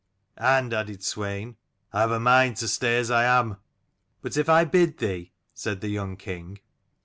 "And," added Swein, "I have a mind to stay as I am." "But if I bid thee?" said the young king.